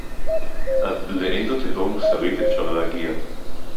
עד לאיזו תהום מוסרית אפשר להגיע